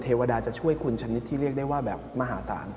เทวดาจะช่วยคุณชนิดที่เรียกได้ว่าแบบมหาศาล